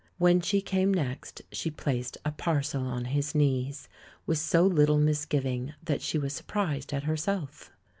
When she came next, she placed a parcel on his knees with so little misgiving that she was surprised at herself.